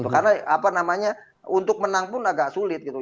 karena apa namanya untuk menang pun agak sulit gitu